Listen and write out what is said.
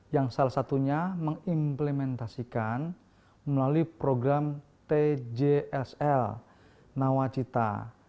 yang salah satunya mengimplementasikan melalui program tjsl nawacita